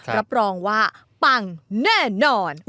รับรองว่าปังแน่นอน